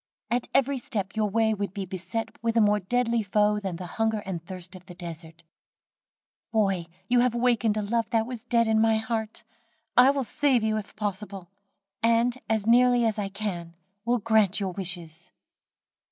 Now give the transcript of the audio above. At every step your way would be beset with a more deadly foe than the hunger and thirst of the desert. "Boy, you have wakened a love that was dead in my heart. I will save you if possible, and, as nearly as I can will grant your wishes."